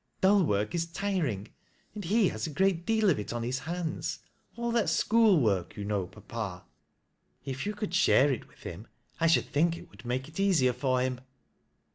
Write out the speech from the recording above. " Dull work is tiring, and he has a great deal of it on his hands. All that school work, you know, papa— if you could share it with him, I should think it would make it easier for him."